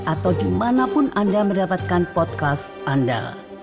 atau dimanapun anda mendapatkan podcast anda